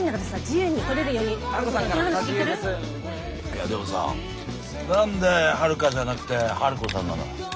いやでもさ何でハルカじゃなくてハルコさんなの。